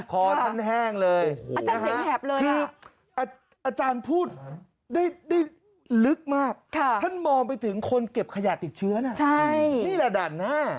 คอท่านแห้งเลยนะฮะคืออาจารย์พูดได้ลึกมากท่านมองไปถึงคนเก็บขยะติดเชื้อนะนี่ระดับหน้าหลากมาก